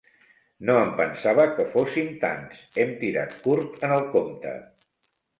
No em pensava que fóssim tants, hem tirat curt en el compte.